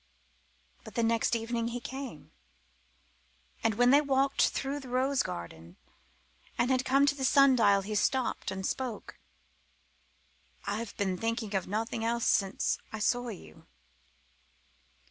But the next evening he came, and when they had walked through the rose garden and had come to the sun dial he stopped and spoke "I've been thinking of nothing else since I saw you.